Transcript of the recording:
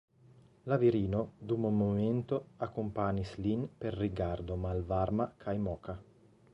La virino dum momento akompanis lin per rigardo malvarma kaj moka.